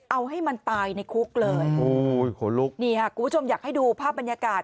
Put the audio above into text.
เอาให้มันตายในคุกเลยคุณผู้ชมอยากให้ดูภาพบรรยากาศ